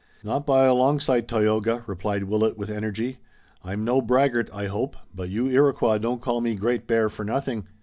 "Not by a long sight, Tayoga," replied Willet with energy. "I'm no braggart, I hope, but you Iroquois don't call me Great Bear for nothing.